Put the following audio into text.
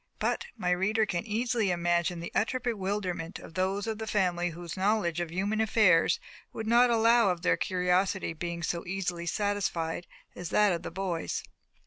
But my reader can easily imagine the utter bewilderment of those of the family whose knowledge of human affairs would not allow of their curiosity being so easily satisfied as that of the boys.